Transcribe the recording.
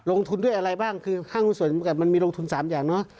ลงทุนด้วยอะไรบ้างคือห้างหุ้นส่วนจำกัดมันมีลงทุน๓อย่างเนอะ